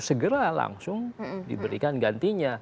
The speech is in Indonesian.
segera langsung diberikan gantinya